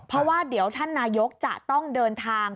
เพราะว่าเดี๋ยวท่านนายกจะต้องเดินทาง